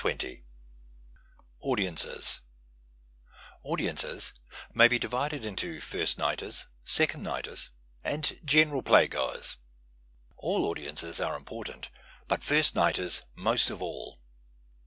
105 AUDIENCES Audiences may be divided into first nighters, second nighters, and general playgoers. All audi ences arc important, but first nighters most of all.